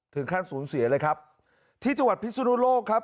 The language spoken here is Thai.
ถึงขั้นศูนย์เสียเลยครับที่จังหวัดพิศุโนโลกครับ